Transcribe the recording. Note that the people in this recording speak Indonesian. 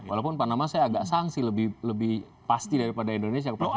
walaupun panama saya agak sanksi lebih pasti daripada indonesia